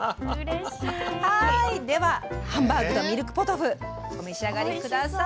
ではハンバーグとミルクポトフお召し上がり下さい。